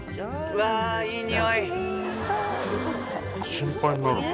心配になるな。